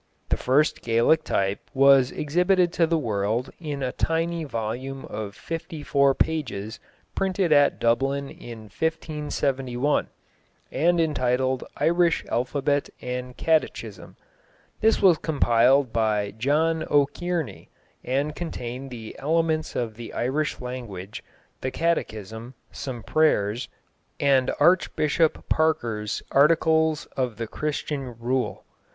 The first Gaelic type was exhibited to the world in a tiny volume of fifty four pages printed at Dublin in 1571, and entitled Irish Alphabet and Catechism. This was compiled by John O'Kearney, and contained the elements of the Irish language, the Catechism, some prayers, and Archbishop Parker's articles of the Christian rule.